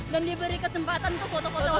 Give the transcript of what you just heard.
dan dia beri kesempatan untuk foto foto